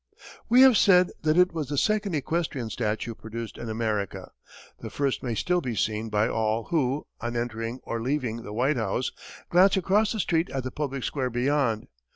We have said that it was the second equestrian statue produced in America. The first may still be seen by all who, on entering or leaving the White House, glance across the street at the public square beyond.